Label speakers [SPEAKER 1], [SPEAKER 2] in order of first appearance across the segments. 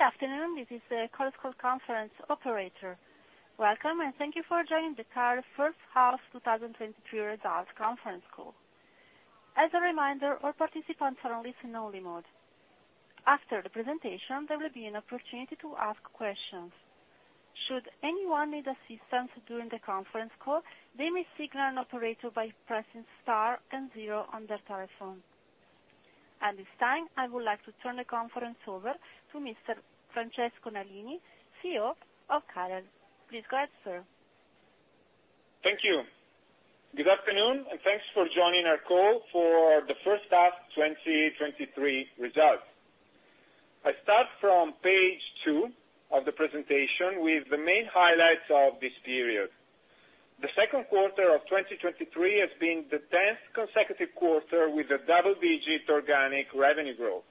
[SPEAKER 1] Good afternoon, this is the CAREL conference operator. Welcome, thank you for joining the CAREL H1 2023 results conference call. As a reminder, all participants are on listen only mode. After the presentation, there will be an opportunity to ask questions. Should anyone need assistance during the conference call, they may signal an operator by pressing star and zero on their telephone. At this time, I would like to turn the conference over to Mr. Francesco Nalini, CEO of CAREL. Please go ahead, sir.
[SPEAKER 2] Thank you. Good afternoon, and thanks for joining our call for the H1 2023 results. I start from page two of the presentation with the main highlights of this period. The Q2 of 2023 has been the 10th consecutive quarter with a double-digit organic revenue growth.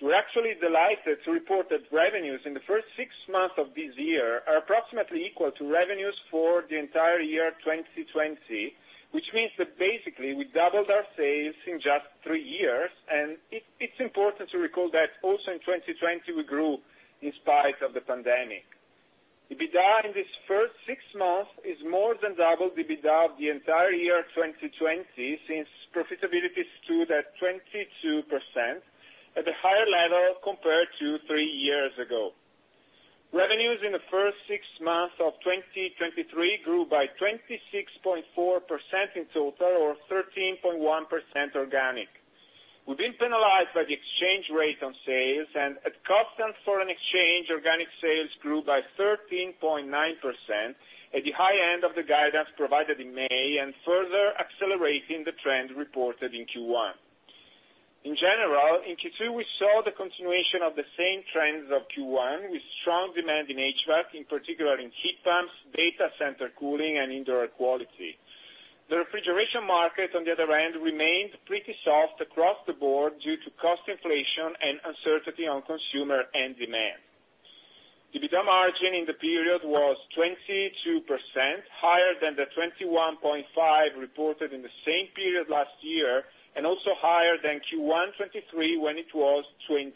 [SPEAKER 2] We're actually delighted to report that revenues in the first six months of this year are approximately equal to revenues for the entire year 2020, which means that basically we doubled our sales in just three years, and it, it's important to recall that also in 2020 we grew in spite of the pandemic. EBITDA in this first six months is more than double the EBITDA of the entire year 2020, since profitability stood at 22%, at a higher level compared to three years ago. Revenues in the first six months of 2023 grew by 26.4% in total, or 13.1% organic. We've been penalized by the exchange rate on sales, and at constant foreign exchange, organic sales grew by 13.9% at the high end of the guidance provided in May, and further accelerating the trend reported in Q1. In general, in Q2, we saw the continuation of the same trends of Q1, with strong demand in HVAC, in particular in heat pumps, data center cooling, and indoor air quality. The refrigeration market, on the other hand, remained pretty soft across the board due to cost inflation and uncertainty on consumer end demand. EBITDA margin in the period was 22%, higher than the 21.5% reported in the same period last year, and also higher than Q1 2023, when it was 20.8%.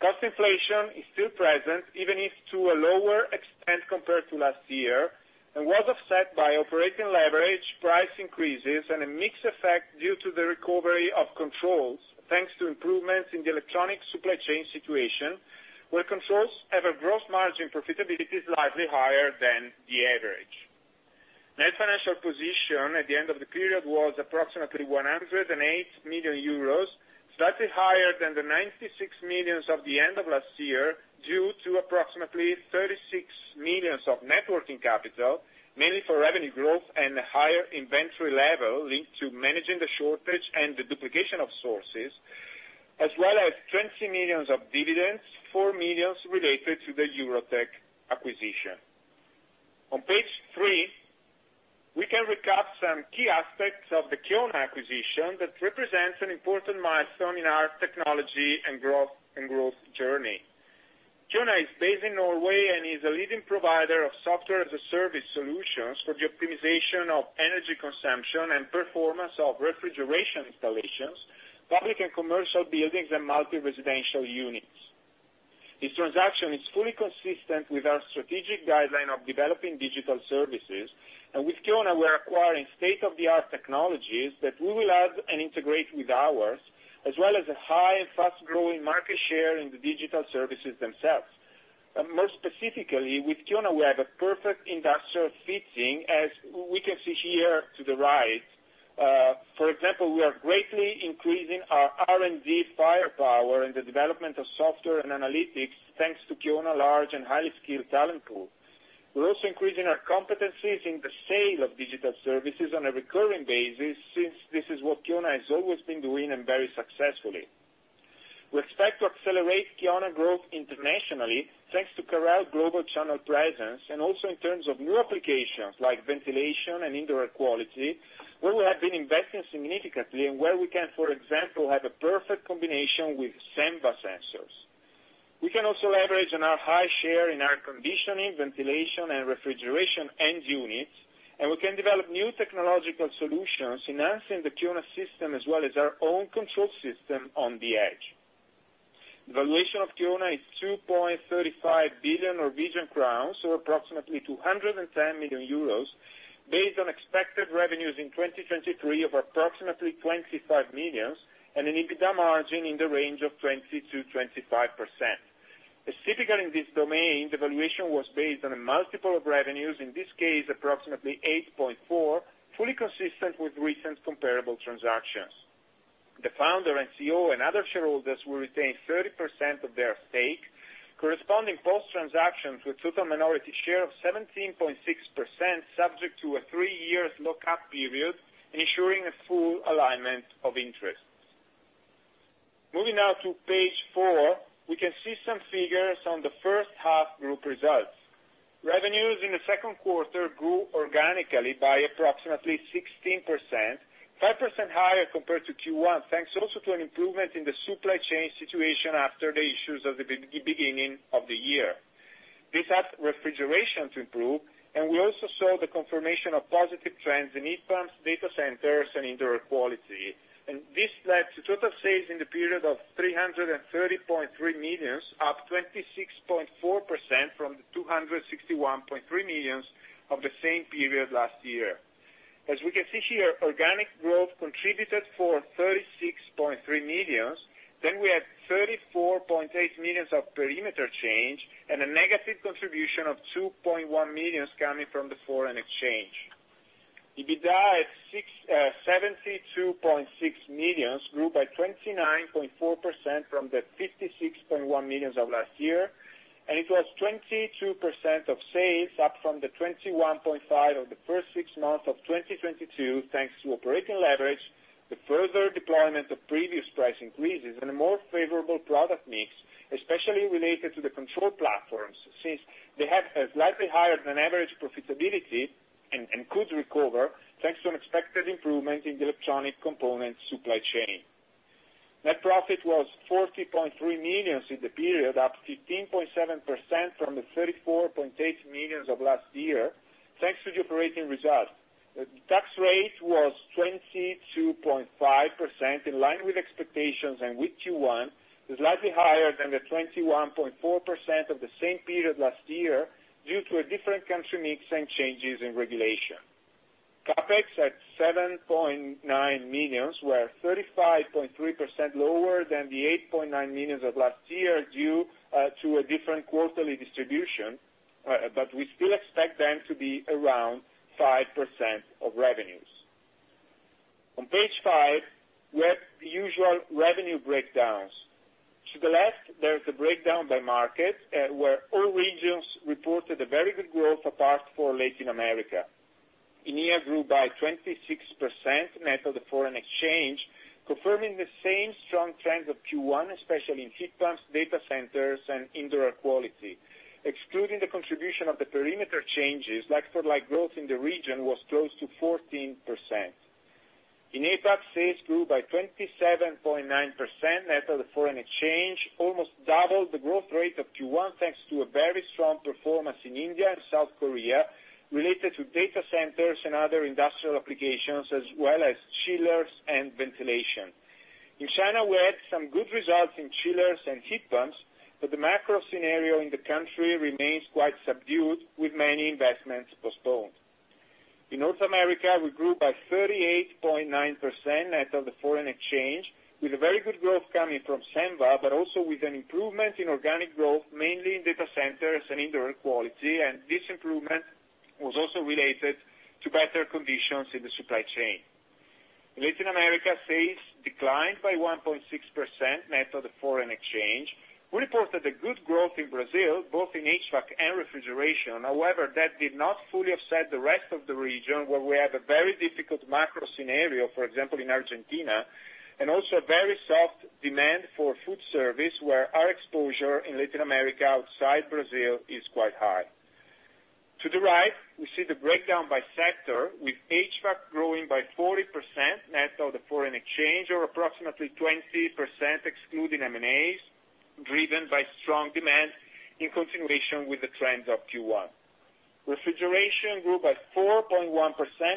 [SPEAKER 2] Cost inflation is still present, even if to a lower extent compared to last year, and was offset by operating leverage, price increases, and a mixed effect due to the recovery of controls, thanks to improvements in the electronic supply chain situation, where controls have a gross margin profitability slightly higher than the average. Net financial position at the end of the period was approximately 108 million euros, slightly higher than the 96 million of the end of last year, due to approximately 36 million of net working capital, mainly for revenue growth and higher inventory level linked to managing the shortage and the duplication of sources, as well as 20 million of dividends, 4 million related to the Eurotec acquisition. On page three, we can recap some key aspects of the Kiona acquisition that represents an important milestone in our technology and growth, and growth journey. Kiona is based in Norway and is a leading provider of Software-as-a-Service solutions for the optimization of energy consumption and performance of refrigeration installations, public and commercial buildings, and multi-residential units. This transaction is fully consistent with our strategic guideline of developing digital services, and with Kiona, we're acquiring state-of-the-art technologies that we will add and integrate with ours, as well as a high and fast-growing market share in the digital services themselves. More specifically, with Kiona, we have a perfect industrial fitting, as w-we can see here to the right. For example, we are greatly increasing our R&D firepower in the development of software and analytics, thanks to Kiona large and highly skilled talent pool. We're also increasing our competencies in the sale of digital services on a recurring basis, since this is what Kiona has always been doing, and very successfully. We expect to accelerate Kiona growth internationally, thanks to CAREL global channel presence, and also in terms of new applications like ventilation and indoor air quality, where we have been investing significantly and where we can, for example, have a perfect combination with Senva sensors. We can also leverage on our high share in air conditioning, ventilation, and refrigeration end units, and we can develop new technological solutions, enhancing the Kiona system as well as our own control system on the edge. The valuation of Kiona is 2.35 billion Norwegian crowns, so approximately 210 million euros, based on expected revenues in 2023 of approximately 25 millions, and an EBITDA margin in the range of 20%-25%. As typical in this domain, the valuation was based on a multiple of revenues, in this case, approximately 8.4, fully consistent with recent comparable transactions. The founder and CEO and other shareholders will retain 30% of their stake, corresponding post-transaction with total minority share of 17.6%, subject to a three-year lockup period, ensuring a full alignment of interests. Moving now to page 4, we can see some figures on the first half group results. Revenues in the Q2 grew organically by approximately 16%, 5% higher compared to Q1, thanks also to an improvement in the supply chain situation after the issues of the beginning of the year. This adds refrigeration to improve, and we also saw the confirmation of positive trends in heat pumps, data centers, and indoor quality. This led to total sales in the period of 330.3 million, up 26.4% from the 261.3 million of the same period last year. As we can see here, organic growth contributed for 36.3 million, then we had 34.8 million of perimeter change, and a negative contribution of 2.1 million coming from the foreign exchange. EBITDA at 72.6 million, grew by 29.4% from the 56.1 million of last year. It was 22% of sales, up from the 21.5% of the first six months of 2022, thanks to operating leverage, the further deployment of previous price increases, and a more favorable product mix, especially related to the control platforms, since they have a slightly higher than average profitability and, and could recover, thanks to an expected improvement in the electronic component supply chain. Net profit was 40.3 million in the period, up 15.7% from the 34.8 million of last year, thanks to the operating result. The tax rate was 22.5%, in line with expectations and with Q1, slightly higher than the 21.4% of the same period last year, due to a different country mix and changes in regulation. CapEx at 7.9 million, were 35.3% lower than the 8.9 million of last year, due to a different quarterly distribution, but we still expect them to be around 5% of revenues. On page five, we have the usual revenue breakdowns. To the left, there is a breakdown by market, where all regions reported a very good growth, apart for Latin America. EMEA grew by 26% net of the foreign exchange, confirming the same strong trends of Q1, especially in heat pumps, data centers, and indoor quality. Excluding the contribution of the perimeter changes, like-for-like growth in the region was close to 14%. In APAC, sales grew by 27.9% net of the foreign exchange, almost double the growth rate of Q1, thanks to a very strong performance in India and South Korea, related to data centers and other industrial applications, as well as chillers and ventilation. In China, we had some good results in chillers and heat pumps. The macro scenario in the country remains quite subdued, with many investments postponed. In North America, we grew by 38.9% net of the foreign exchange, with a very good growth coming from Senva, but also with an improvement in organic growth, mainly in data centers and indoor quality. This improvement was also related to better conditions in the supply chain. In Latin America, sales declined by 1.6% net of the foreign exchange. We reported a good growth in Brazil, both in HVAC and refrigeration. However, that did not fully offset the rest of the region, where we have a very difficult macro scenario, for example, in Argentina, and also a very soft demand for food service, where our exposure in Latin America, outside Brazil, is quite high. To the right, we see the breakdown by sector, with HVAC growing by 40% net of the foreign exchange, or approximately 20% excluding M&As, driven by strong demand in continuation with the trends of Q1. Refrigeration grew by 4.1%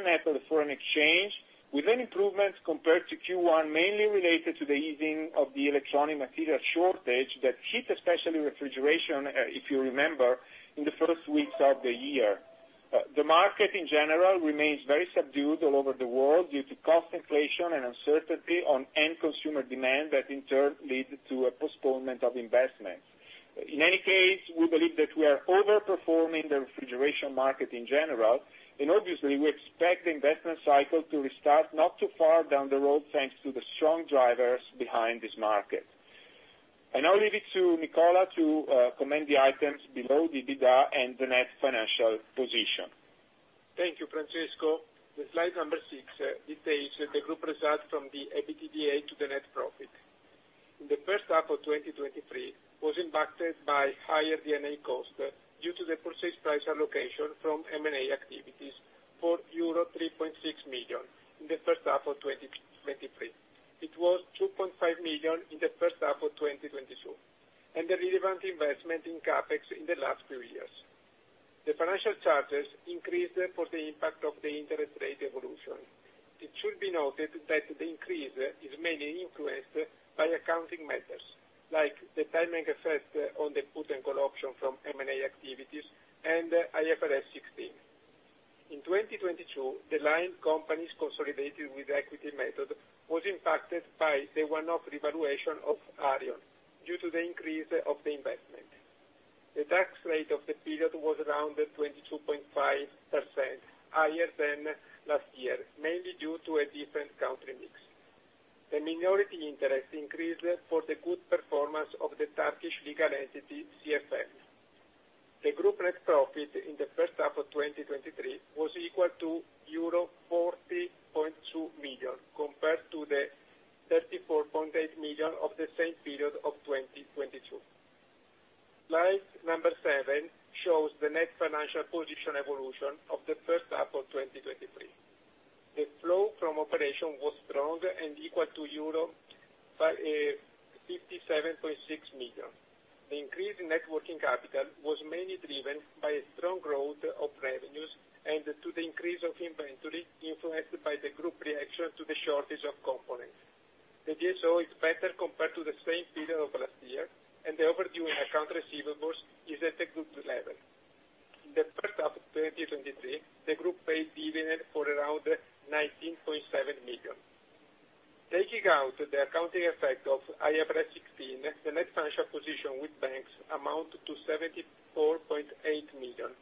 [SPEAKER 2] net of the foreign exchange, with an improvement compared to Q1, mainly related to the easing of the electronic material shortage that hit, especially refrigeration, if you remember, in the first weeks of the year. The market in general remains very subdued all over the world due to cost inflation and uncertainty on end consumer demand, that in turn lead to a postponement of investments. In any case, we believe that we are overperforming the refrigeration market in general, and obviously, we expect the investment cycle to restart not too far down the road, thanks to the strong drivers behind this market. I now leave it to Nicola to comment the items below the EBITDA and the net financial position.
[SPEAKER 3] Thank you, Francesco. The slide number six details the group results from the EBITDA to the net profit. In the H1 of 2023, was impacted by higher D&A costs due to the purchase price allocation from M&A activities for euro 3.6 million in the H1 of 2023. It was 2.5 million in the H1 of 2022, and the relevant investment in CapEx in the last few years. The financial charges increased for the impact of the interest rate evolution. It should be noted that the increase is mainly influenced by accounting matters, like the timing effect on the put and call option from M&A activities and IFRS 16. In 2022, the line companies consolidated with equity method was impacted by the one-off revaluation of Arion, due to the increase of the investment. The tax rate of the period was around 22.5%, higher than last year, mainly due to a different country mix. The minority interest increased for the good performance of the Turkish legal entity, CFM. The group net profit in the H1 of 2023 was equal to euro 40.2 million, compared to 34.8 million of the same period of 2022. Slide number seven shows the net financial position evolution of the H1 of 2023. The flow from operation was strong and equal to euro 57.6 million. The increase in net working capital was mainly driven by a strong growth of revenues and to the increase of inventory, influenced by the group reaction to the shortage of components. The DSO is better compared to the same period of last year, and the overdue account receivables is at a good level. In the H1 of 2023, the group paid dividend for around 19.7 million. Taking out the accounting effect of IFRS 16, the net financial position with banks amount to 74.8 million,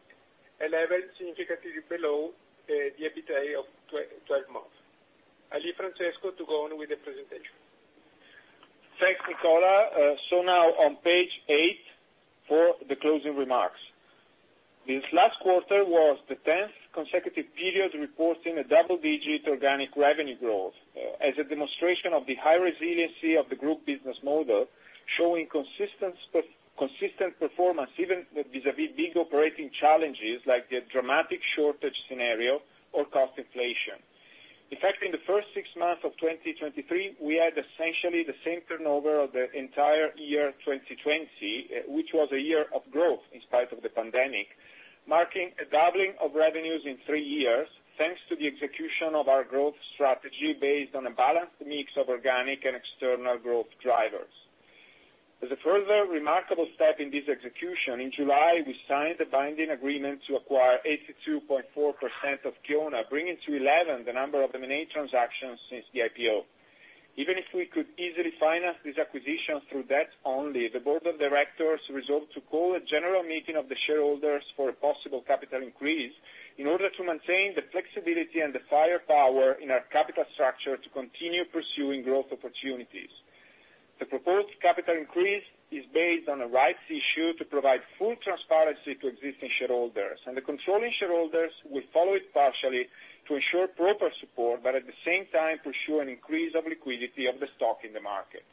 [SPEAKER 3] a level significantly below the EBITDA of 12 months. I leave Francesco to go on with the presentation.
[SPEAKER 2] Thanks, Nicola. Now on page 8, for the closing remarks. This last quarter was the 10th consecutive period, reporting a double-digit organic revenue growth, as a demonstration of the high resiliency of the group business model, showing consistent performance, even vis-a-vis, big operating challenges, like the dramatic shortage scenario or cost inflation. In fact, in the first six months of 2023, we had essentially the same turnover of the entire year, 2020, which was a year of growth in spite of the pandemic, marking a doubling of revenues in three years, thanks to the execution of our growth strategy, based on a balanced mix of organic and external growth drivers. As a further remarkable step in this execution, in July, we signed a binding agreement to acquire 82.4% of Kiona, bringing to 11, the number of M&A transactions since the IPO. Even if we could easily finance this acquisition through debt only, the board of directors resolved to call a general meeting of the shareholders for a possible capital increase, in order to maintain the flexibility and the firepower in our capital structure to continue pursuing growth opportunities. The proposed capital increase is based on a rights issue to provide full transparency to existing shareholders, and the controlling shareholders will follow it partially to ensure proper support, but at the same time, pursue an increase of liquidity of the stock in the market.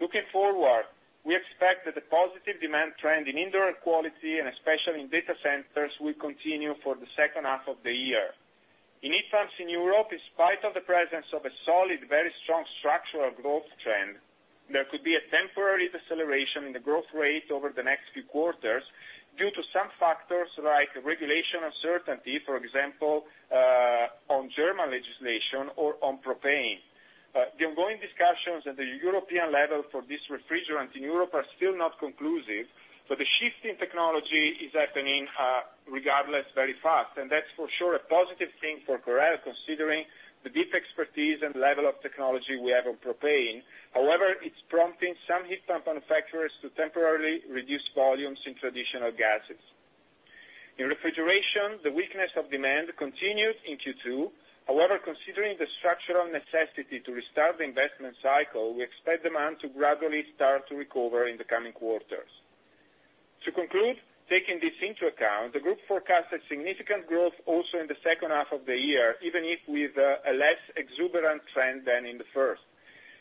[SPEAKER 2] Looking forward, we expect that the positive demand trend in indoor air quality, and especially in data centers, will continue for the H2 of the year. In heat pumps in Europe, in spite of the presence of a solid, very strong structural growth trend, there could be a temporary deceleration in the growth rate over the next few quarters due to some factors like regulation uncertainty, for example, on German legislation or on propane. The ongoing discussions at the European level for this refrigerant in Europe are still not conclusive, but the shift in technology is happening, regardless, very fast, and that's for sure, a positive thing for CAREL, considering the deep expertise and level of technology we have on propane. However, it's prompting some heat pump manufacturers to temporarily reduce volumes in traditional gases. In refrigeration, the weakness of demand continued in Q2. However, considering the structural necessity to restart the investment cycle, we expect demand to gradually start to recover in the coming quarters. To conclude, taking this into account, the group forecasted significant growth also in the H2 of the year, even if with a less exuberant trend than in the first.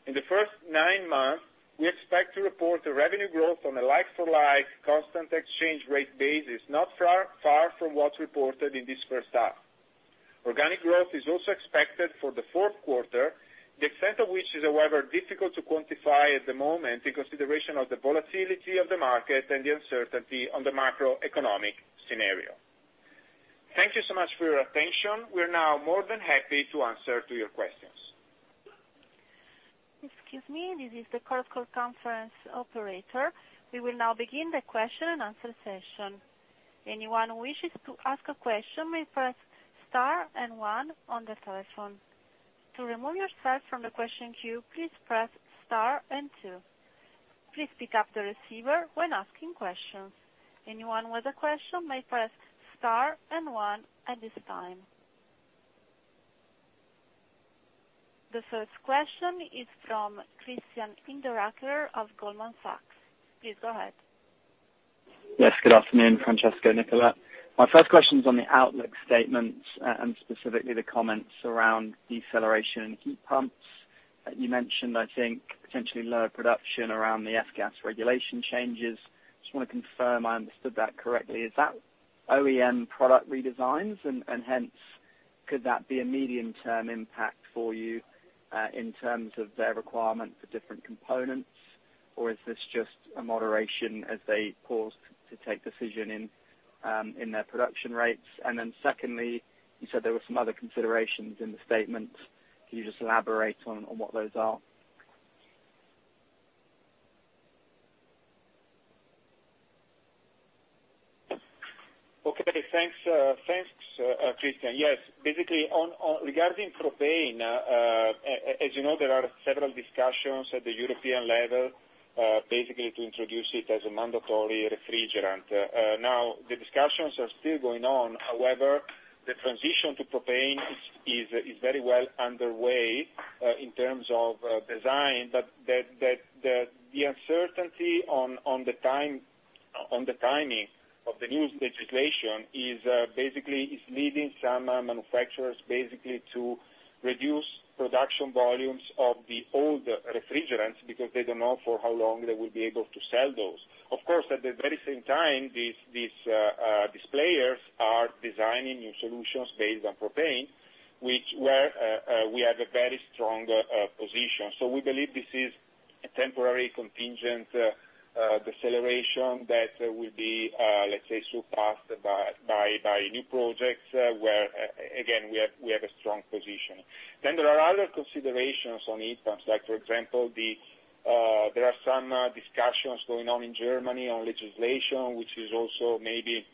[SPEAKER 2] In the first nine months, we expect to report a revenue growth on a like-for-like constant exchange rate basis, not far, far from what's reported in this H1. Organic growth is also expected for the Q4, the extent of which is, however, difficult to quantify at the moment in consideration of the volatility of the market and the uncertainty on the macroeconomic scenario. Thank you so much for your attention. We're now more than happy to answer to your questions.
[SPEAKER 1] Excuse me, this is the corporate call conference operator. We will now begin the question and answer session. Anyone who wishes to ask a question may press Star and One on the telephone. To remove yourself from the question queue, please press Star and Two. Please pick up the receiver when asking questions. Anyone with a question may press Star and One at this time. The first question is from Christian Hinderaker of Goldman Sachs. Please go ahead.
[SPEAKER 4] Yes, good afternoon, Francesco, Nicola. My first question is on the outlook statement, and specifically the comments around deceleration in heat pumps. You mentioned, I think, potentially lower production around the F-gas regulation changes. Just wanna confirm I understood that correctly. Is that OEM product redesigns? And, and hence, could that be a medium-term impact for you, in terms of their requirement for different components, or is this just a moderation as they pause to take decision in, in their production rates? Then secondly, you said there were some other considerations in the statement. Can you just elaborate on, on what those are?
[SPEAKER 2] Okay, thanks, thanks, Christian. Yes, basically on, regarding propane, as you know, there are several discussions at the European level, basically to introduce it as a mandatory refrigerant. Now, the discussions are still going on, however, the transition to propane is, is, is very well underway, in terms of design, but the, the, the, the uncertainty on, on the time, on the timing of the new legislation is, basically is leaving some manufacturers, basically, to reduce production volumes of the old refrigerants because they don't know for how long they will be able to sell those. Of course, at the very same time, these, these players are designing new solutions based on propane, which where, we have a very strong position. We believe this is a temporary contingent, deceleration that will be, let's say, surpassed by, by, by new projects, where again, we have, we have a strong position. There are other considerations on heat pumps, like, for example, the, there are some, discussions going on in Germany on legislation, which is also maybe,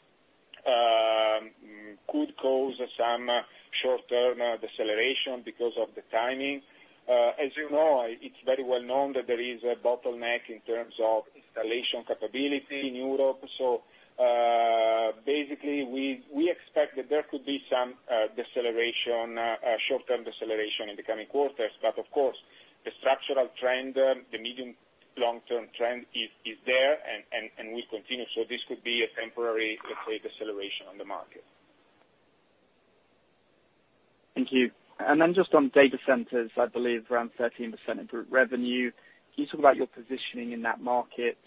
[SPEAKER 2] could cause some short-term, deceleration because of the timing. As you know, it's very well known that there is a bottleneck in terms of installation capability in Europe. Basically, we, we expect that there could be some, deceleration, short-term deceleration in the coming quarters. Of course, the structural trend, the medium long-term trend is, is there and, and, and will continue. This could be a temporary, let's say, deceleration on the market.
[SPEAKER 4] Thank you. Just on data centers, I believe around 13% of group revenue. Can you talk about your positioning in that market,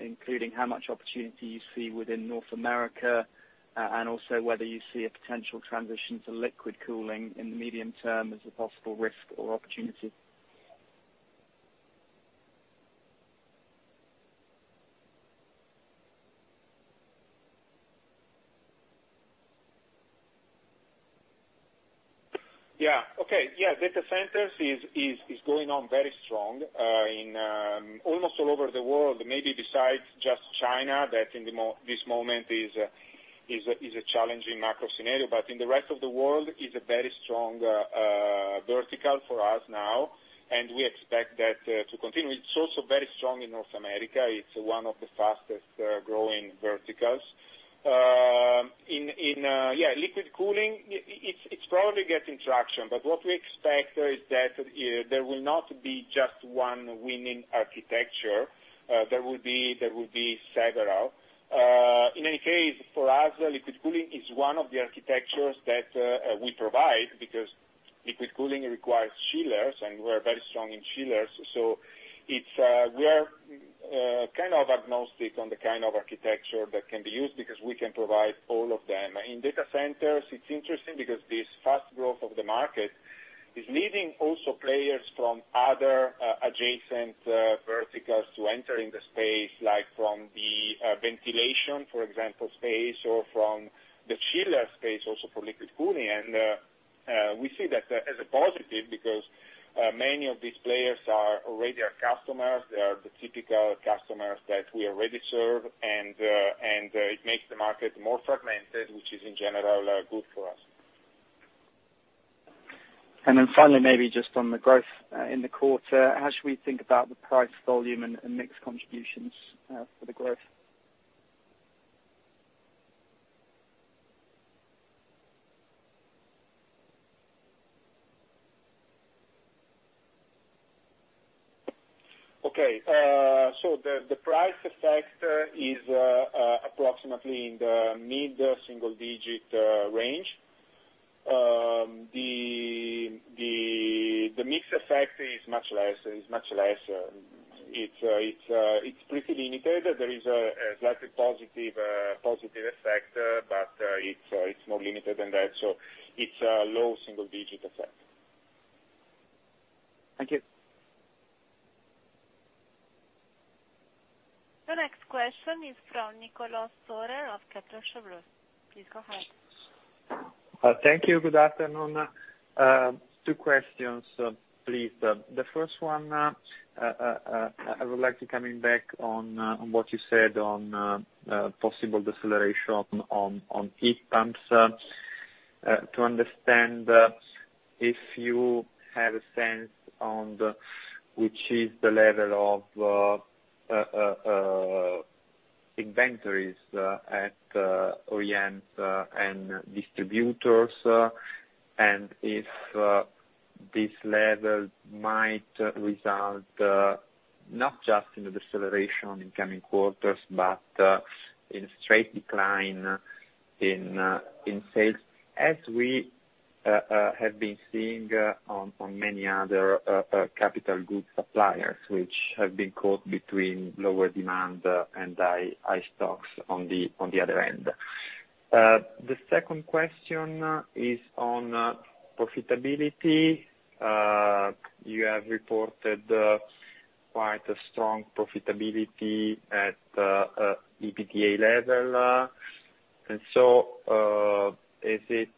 [SPEAKER 4] including how much opportunity you see within North America, and also whether you see a potential transition to liquid cooling in the medium term as a possible risk or opportunity?
[SPEAKER 2] Yeah. Okay. Yeah, data centers is, is, is going on very strong, in almost all over the world, maybe besides just China, that in this moment is a challenging macro scenario. In the rest of the world, is a very strong vertical for us now, and we expect that to continue. It's also very strong in North America. It's one of the fastest growing verticals. In, yeah, liquid cooling, it's probably getting traction, but what we expect is that there will not be just one winning architecture. There will be, there will be several. In any case, for us, liquid cooling is one of the architectures that we provide, because liquid cooling requires chillers, and we're very strong in chillers. It's, we are, kind of agnostic on the kind of architecture that can be used because we can provide all of them. In data centers, it's interesting because this fast growth of the market is leading also players from other, adjacent, verticals to enter in the space, like from the, ventilation, for example, space, or from the chiller space, also from liquid cooling. We see that as a positive, because, many of these players are already our customers. They are the typical customers that we already serve, and, and, it makes the market more fragmented, which is in general, good for us.
[SPEAKER 4] Finally, maybe just on the growth in the quarter, how should we think about the price, volume, and mix contributions for the growth?
[SPEAKER 2] Okay. The price effect is approximately in the mid-single digit range. The mix effect is much less, is much less. It's pretty limited. There is a slightly positive positive effect, but it's more limited than that, so it's a low single digit effect.
[SPEAKER 4] Thank you.
[SPEAKER 1] The next question is from Nicolò Soresina of Credit Suisse. Please go ahead.
[SPEAKER 5] Thank you. Good afternoon. Two questions, please. The first one, I would like to coming back on what you said on possible deceleration on heat pumps. To understand if you have a sense on the, which is the level of inventories at OEMs and distributors, and if this level might result not just in the deceleration in coming quarters, but in straight decline in sales, as we have been seeing on many other capital goods suppliers, which have been caught between lower demand and high, high stocks on the other end. The second question is on profitability. You have reported quite a strong profitability at EBITA level. Is it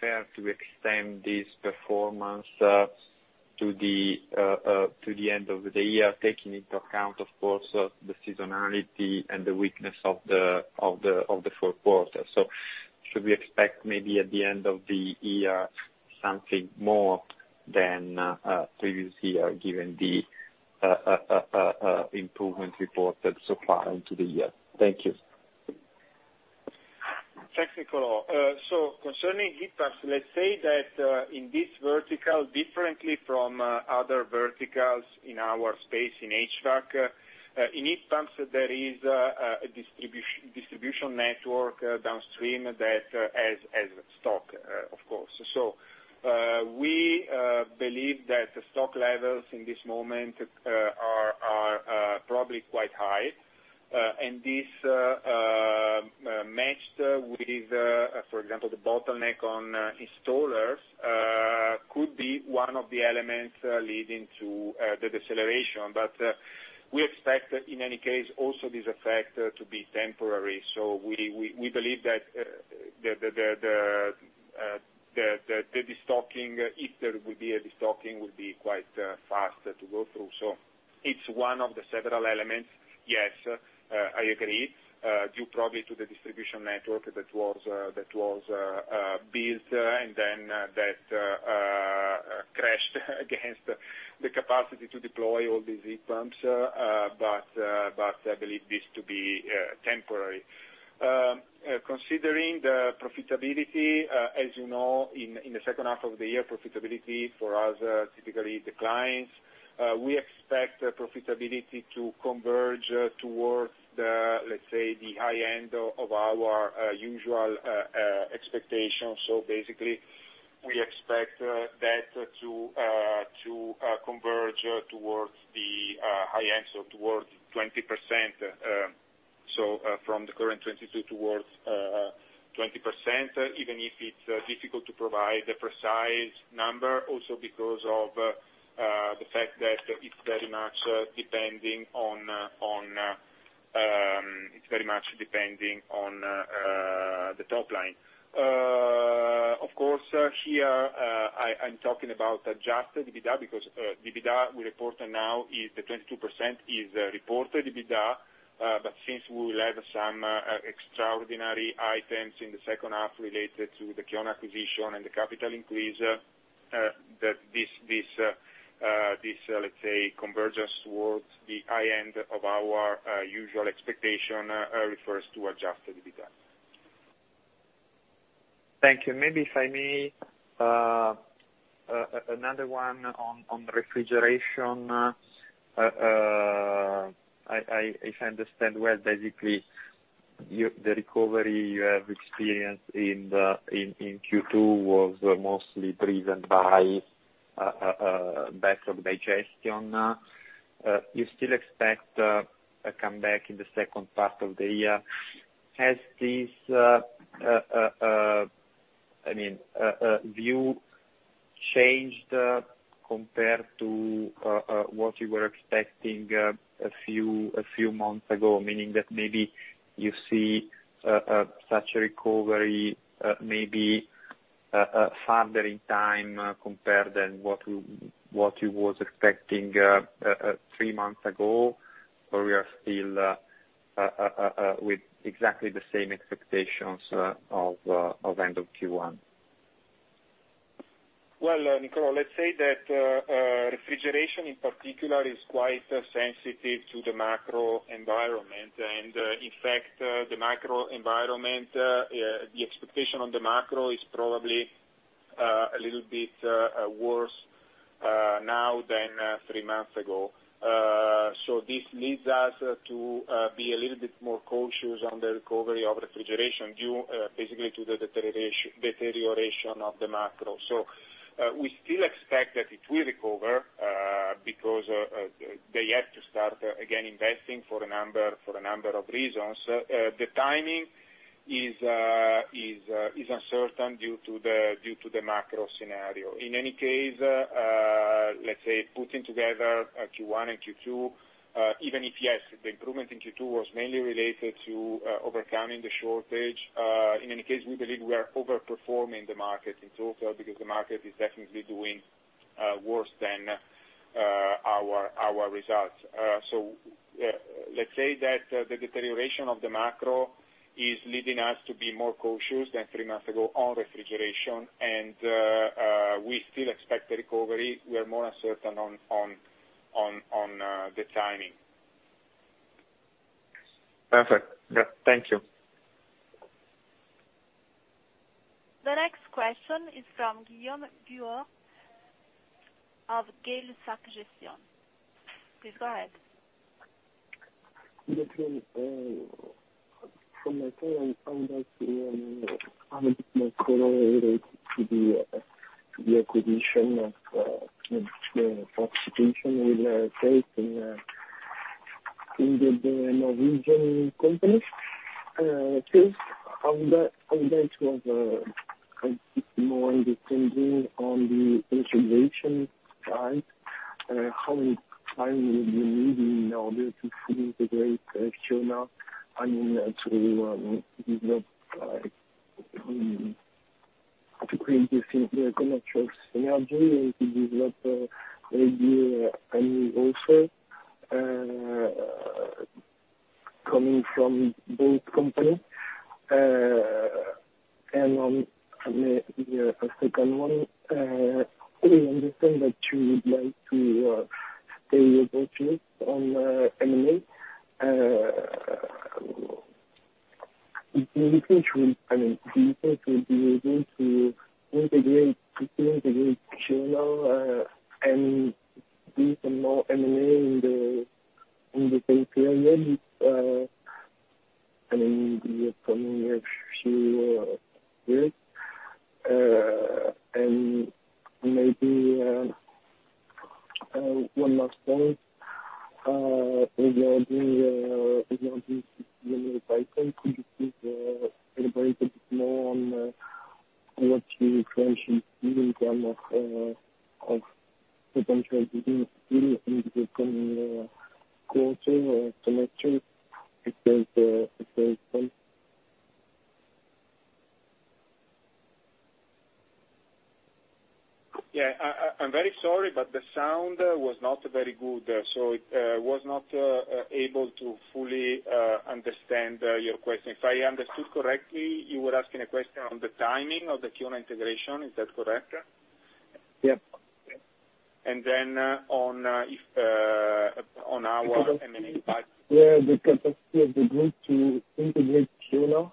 [SPEAKER 5] fair to extend this performance to the end of the year, taking into account, of course, the seasonality and the weakness of the Q4? So should we expect, maybe at the end of the year, something more than previous year, given the improvement reported so far into the year? Thank you.
[SPEAKER 2] Thanks, Nicolo. Concerning heat pumps, let's say that in this vertical, differently from other verticals in our space, in HVAC, in heat pumps, there is a distribution network downstream that has, has stock, of course. We believe that the stock levels in this moment are probably quite high, and this matched with, for example, the bottleneck on installers, could be one of the elements leading to the deceleration. We expect, in any case, also this effect to be temporary, so we, we, we believe that the destocking, if there will be a destocking, will be quite fast to go through. It's one of the several elements, yes, I agree, due probably to the distribution network that was, that was, built, and then, that, crashed against the capacity to deploy all these heat pumps, but I believe this to be temporary. Considering the profitability, as you know, in the H2 of the year, profitability for us typically declines. We expect the profitability to converge towards the, let's say, the high end of, of our usual expectation. Basically, we expect that to converge towards the high end, so towards 20%. From the current 22% towards 20%, even if it's difficult to provide a precise number, also because of the fact that it's very much depending on the top line. I'm talking about adjusted EBITDA, because EBITDA we report now is the 22% is reported EBITDA, but since we will have some extraordinary items in the H2 related to the Kiona acquisition and the capital increase, that this convergence towards the high end of our usual expectation refers to adjusted EBITDA.
[SPEAKER 5] Thank you. Maybe if I may, another one on refrigeration. If I understand well, basically, the recovery you have experienced in Q2 was mostly driven by backlogged digestion. You still expect a comeback in the second part of the year. Has this, I mean, view changed compared to what you were expecting a few months ago? Meaning that maybe you see such a recovery maybe farther in time compared than what we, what you was expecting three months ago, or we are still with exactly the same expectations of end of Q1?
[SPEAKER 2] Well, Nicolo, let's say that refrigeration in particular is quite sensitive to the macro environment. In fact, the macro environment, the expectation on the macro is probably a little bit worse now than three months ago. This leads us to be a little bit more cautious on the recovery of refrigeration, due basically to the deteriorat- deterioration of the macro. We still expect that it will recover because they have to start again investing for a number, for a number of reasons. The timing is uncertain due to the, due to the macro scenario. In any case, let's say putting together Q1 and Q2, even if, yes, the improvement in Q2 was mainly related to overcoming the shortage, in any case, we believe we are overperforming the market in total, because the market is definitely doing worse than our, our results. Let's say that the deterioration of the macro is leading us to be more cautious than three months ago on refrigeration, and we still expect a recovery. We are more uncertain on, on, on, on, the timing.
[SPEAKER 5] Perfect. Yeah, thank you.
[SPEAKER 1] The next question is from Guillaume Durand of Gay-Lussac Gestion. Please go ahead.
[SPEAKER 6] Good morning, from my side, I would like to a bit more color related to the to the acquisition of the participation with take in the Norwegian company. First, I would like, I would like to have a bit more understanding on the integration side. How much time will you be needing in order to fully integrate Kiona? I mean, to develop, to create the synergies, commercial synergy to develop, maybe, I mean, also, coming from both company. On the second one, we understand that you would like to stay focused on M&A. Do you think you, I mean, do you think you will be able to integrate, to integrate Kiona, and do some more M&A in the, in the same period, I mean, in the coming few years? Maybe, one last point, regarding, regarding the elaborate a bit more on, what you of potential business coming, closer or connection, if there's, if there's one?
[SPEAKER 2] I, I, I'm very sorry, but the sound was not very good, so I was not able to fully understand your question. If I understood correctly, you were asking a question on the timing of the Kiona integration. Is that correct?
[SPEAKER 6] Yep.
[SPEAKER 2] Then, on, if, on our M&A pipe-
[SPEAKER 6] Yeah, the capacity of the group to integrate Kiona,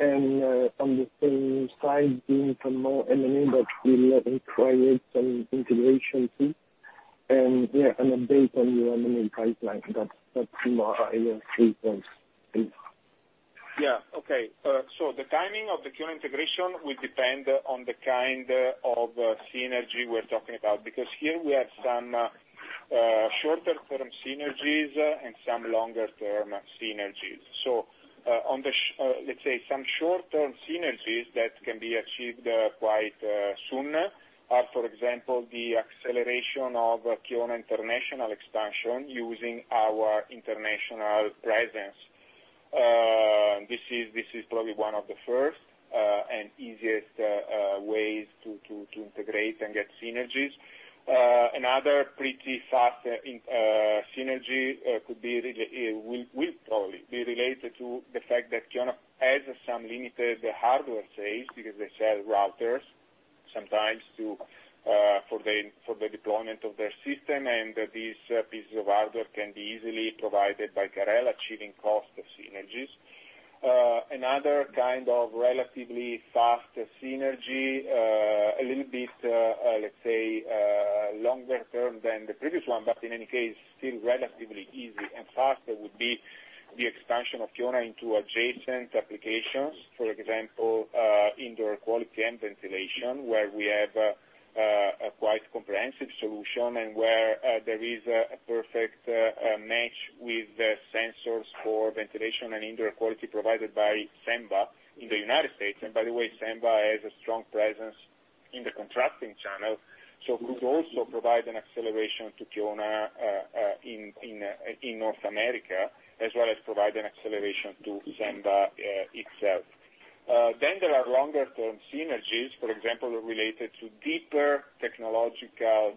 [SPEAKER 6] and, on the same side, doing some more M&A, but still, create some integration fee, and, yeah, and update on your M&A pipeline. That's, that's my three points.
[SPEAKER 2] Yeah. Okay, the timing of the Kiona integration will depend on the kind of synergy we're talking about. Because here we have some shorter term synergies and some longer term synergies. On the let's say, some short-term synergies that can be achieved quite soon are, for example, the acceleration of Kiona international expansion using our international presence. This is, this is probably one of the first and easiest ways to, to, to integrate and get synergies. Another pretty fast synergy will probably be related to the fact that Kiona has some limited hardware sales, because they sell routers, sometimes, for the deployment of their system, and these pieces of hardware can be easily provided by CAREL, achieving cost synergies. Another kind of relatively fast synergy, a little bit, let's say, longer term than the previous one, but in any case, still relatively easy and fast, would be the expansion of Kiona into adjacent applications. For example, indoor quality and ventilation, where we have a quite comprehensive solution, and where there is a perfect match with the sensors for ventilation and indoor quality provided by Senva in the United States. By the way, Senva has a strong presence in the contracting channel, so could also provide an acceleration to Kiona in North America, as well as provide an acceleration to Senva itself. There are longer term synergies, for example, related to deeper technological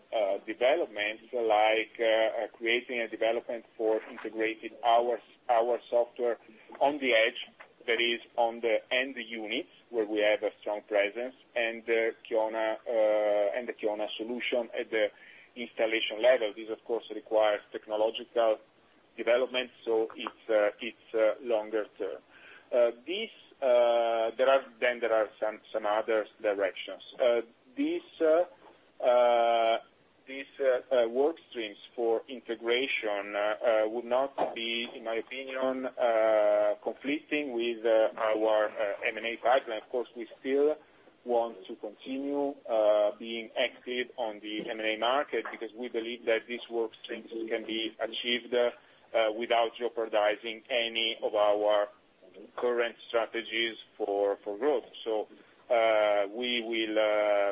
[SPEAKER 2] developments, like creating a development for integrating our software on the edge, that is, on the end units, where we have a strong presence, and Kiona and the Kiona solution at the installation level. This, of course, requires technological development, so it's it's longer term. This. There are some other directions. These these work streams for integration would not be, in my opinion, conflicting with our M&A pipeline. Of course, we still want to continue being active on the M&A market, because we believe that these work streams can be achieved without jeopardizing any of our current strategies for, for growth. We will,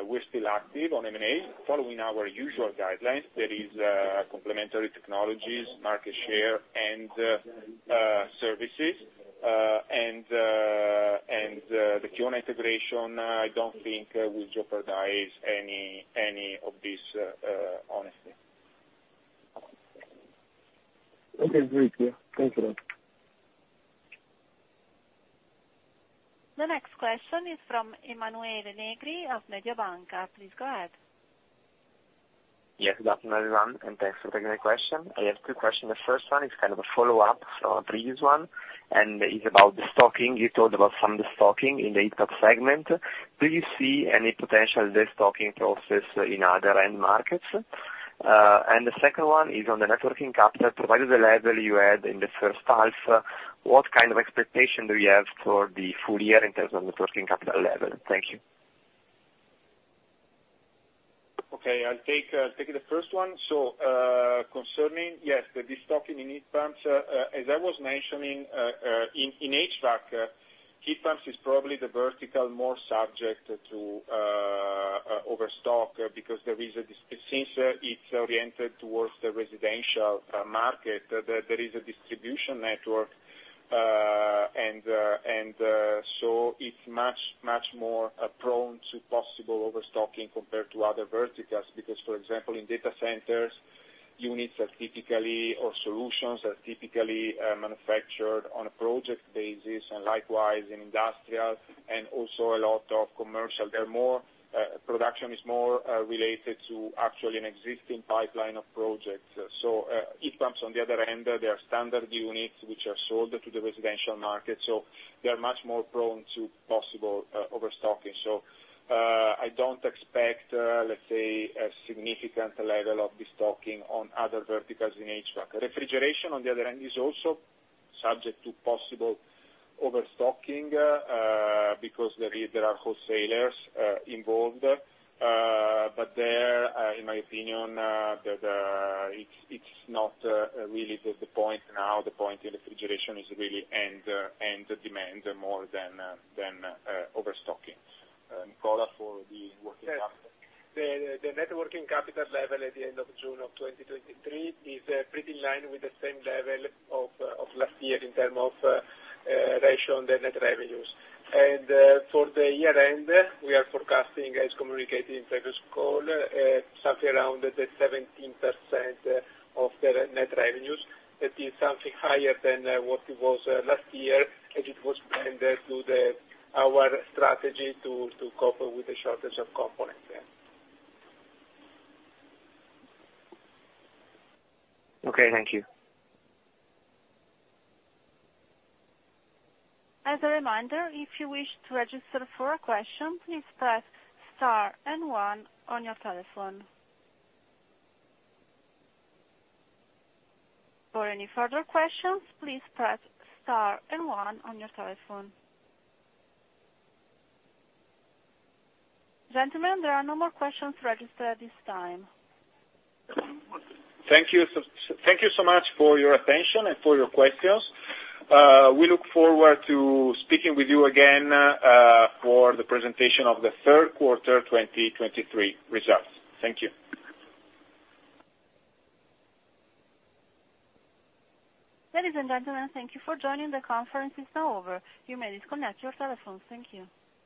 [SPEAKER 2] we're still active on M&A, following our usual guidelines. That is, complementary technologies, market share, and services. The Kiona integration, I don't think will jeopardize any, any of these, honestly.
[SPEAKER 6] Okay, great. Thank you.
[SPEAKER 1] The next question is from Emanuele Negri of Mediobanca. Please go ahead.
[SPEAKER 7] Yes, good afternoon, everyone, and thanks for taking my question. I have two questions. The first one is kind of a follow-up from a previous one, and it's about the stocking. You talked about some of the stocking in the heat pump segment. Do you see any potential destocking process in other end markets? The second one is on the networking capital. Provided the level you had in the first half, what kind of expectation do you have for the full year in terms of networking capital level? Thank you.
[SPEAKER 2] Okay, I'll take take the first one. Concerning, yes, the destocking in heat pumps, as I was mentioning, in HVAC, heat pumps is probably the vertical more subject to overstock, because since it's oriented towards the residential market, there is a distribution network, and so it's much, much more prone to possible overstocking compared to other verticals. Because, for example, in data centers, units are typically, or solutions are typically, manufactured on a project basis, and likewise, in industrial and also a lot of commercial. They're more, production is more related to actually an existing pipeline of projects. Heat pumps, on the other hand, they are standard units, which are sold to the residential market, so they are much more prone to possible overstocking. I don't expect, let's say, a significant level of destocking on other verticals in HVAC. Refrigeration, on the other hand, is also subject to possible overstocking, because there is, there are wholesalers involved. There, in my opinion, it's not really the point now. The point in refrigeration is really end demand more than overstocking. Nicola, for the working capital?
[SPEAKER 3] Yes. The, the, the networking capital level at the end of June of 2023 is pretty in line with the same level of last year in term of ratio on the net revenues. For the year end, we are forecasting, as communicated in previous call, something around the 17% of the net revenues. That is something higher than what it was last year, and it was planned to our strategy to, to cope with the shortage of components. Yeah.
[SPEAKER 7] Okay, thank you.
[SPEAKER 1] As a reminder, if you wish to register for a question, please press star and one on your telephone. For any further questions, please press star and one on your telephone. Gentlemen, there are no more questions registered at this time.
[SPEAKER 2] Thank you so, thank you so much for your attention and for your questions. We look forward to speaking with you again for the presentation of the Q3 2023 results. Thank you.
[SPEAKER 1] Ladies and gentlemen, thank you for joining. The conference is now over. You may disconnect your telephones. Thank you.